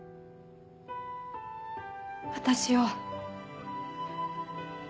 私を。